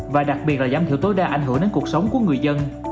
và đặc biệt là giảm thiểu tối đa ảnh hưởng đến cuộc sống của người dân